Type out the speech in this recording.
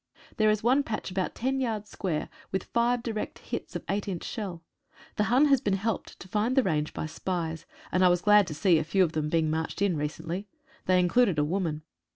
There is one patch about ten yards square, with five direct hits of eight inch shell. The Hun has been helped to find the range by spies, and I was glad to see a few of them being marched in recently. They in cluded a woman.